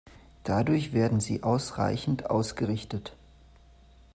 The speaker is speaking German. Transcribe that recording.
Dadurch werden sie ausreichend ausgerichtet.